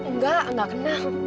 nggak nggak kenal